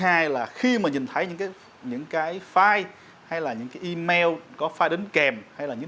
hay là khi mà nhìn thấy những cái những cái file hay là những cái email có file đến kèm hay là những